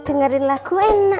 hep dengarin lagu enak